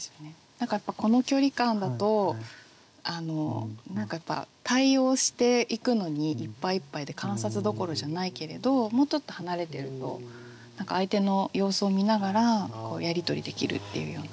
何かやっぱこの距離感だと対応していくのにいっぱいいっぱいで観察どころじゃないけれどもうちょっと離れてると相手の様子を見ながらやり取りできるっていうような。